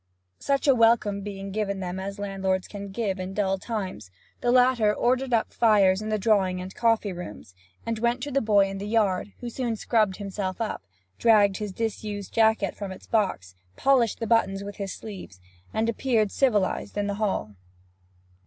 Such a welcome being given them as landlords can give in dull times, the latter ordered fires in the drawing and coffee rooms, and went to the boy in the yard, who soon scrubbed himself up, dragged his disused jacket from its box, polished the buttons with his sleeve, and appeared civilized in the hall.